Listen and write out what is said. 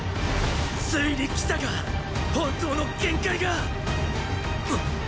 ついに来たか本当の限界がっ！